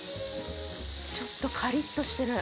ちょっとカリッとしてる。